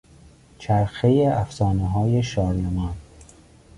چرخهی افسانههای شارلمان